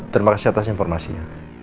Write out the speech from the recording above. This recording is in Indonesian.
terima kasih atas informasinya